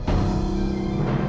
ibu mbak berhenti